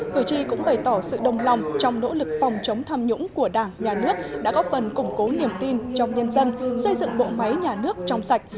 cử tri cũng bày tỏ sự đồng lòng trong nỗ lực phòng chống tham nhũng của đảng nhà nước đã góp phần củng cố niềm tin trong nhân dân xây dựng bộ máy nhà nước trong sạch